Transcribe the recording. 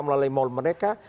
melalui mall mereka